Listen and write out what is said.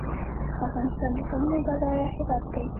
افغانستان د کانونو بډایه هیواد دی